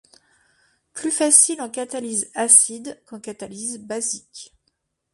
Plus facile en catalyse acide qu'en catalyse basique.